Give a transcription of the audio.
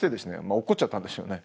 落っこっちゃったんですよね。